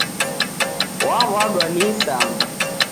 W'aw'adwa ni isama.